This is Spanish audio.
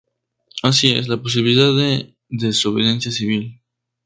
Así es, la posibilidad de desobediencia civil.